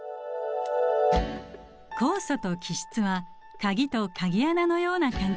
酵素と基質は鍵と鍵穴のような関係です。